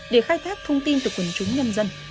để khai thác thông tin từ quần chúng nhân dân